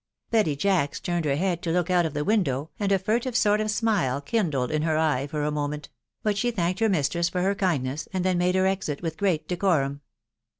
Betty Jacks turned her head to look out of the window and a furtive sort of smile kindled in her eye for a moment; but she thanked her mistress for her kindness, and then made her exit with great decorum.